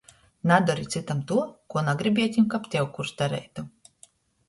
Nadori cytam tuo, kuo nagribietim, kab tev kurs dareitu!